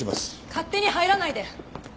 勝手に入らないで！